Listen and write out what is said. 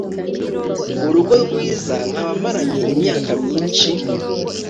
urugo rwiza nkaba maranye imyaka myinshi